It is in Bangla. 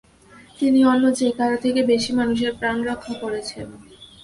তিনি অন্য যে কারো থেকে বেশি মানুষের প্রাণ রক্ষা করেছেন।